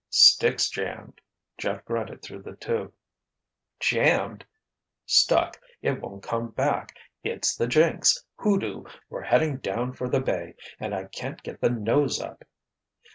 "Stick's jammed!" Jeff grunted through the tube. "Jammed?" "Stuck. It won't come back. It's the jinx! Hoodoo! We're heading down for the bay and I can't get the nose up!"